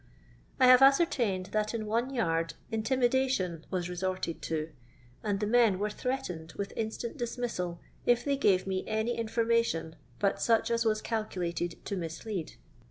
I have ascertained that in one yard intimidation wns resorted to, and the men were threatened with instant dismissal if they gave me any infor mation but such as was calculated to mislead.